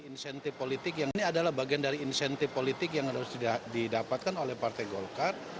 ini adalah bagian dari insentif politik yang harus didapatkan oleh partai golkar